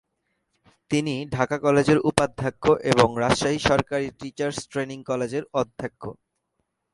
তিনি ঢাকা কলেজের উপাধ্যক্ষ এবং রাজশাহী সরকারি টিচার্স ট্রেনিং কলেজের অধ্যক্ষ ছিলেন।